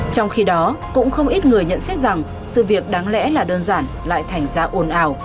trong khi đó cũng không ít người nhận xét rằng sự việc đáng lẽ là đơn giản lại thành ra ồn ào